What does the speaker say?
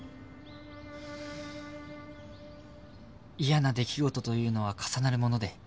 嫌な出来事というのは重なるもので